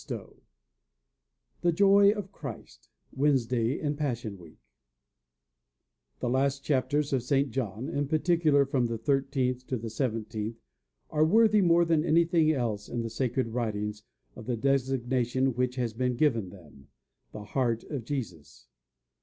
XXV THE JOY OF CHRIST Wednesday in Passion Week The last chapters of St. John in particular from the thirteenth to the seventeenth are worthy, more than anything else in the sacred writings, of the designation which has been given them, The Heart of Jesus.